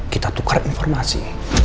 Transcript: kita tukar informasi